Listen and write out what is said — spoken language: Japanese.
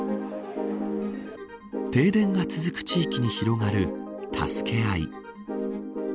停電が続く地域に広がる助け合い。